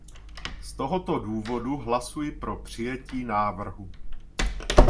Z tohoto důvodu hlasuji pro přijetí návrhu.